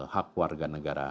hak warga negara